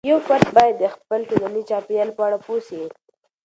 یو فرد باید د خپل ټولنيزې چاپیریال په اړه پوه سي.